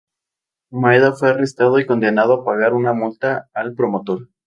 Maeda fue arrestado y condenado a pagar una multa al promotor.